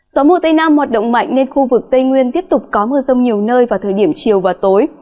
gió mùa tây nam hoạt động mạnh nên khu vực tây nguyên tiếp tục có mưa rông nhiều nơi vào thời điểm chiều và tối